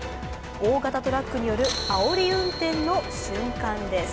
大型トラックによるあおり運転の瞬間です。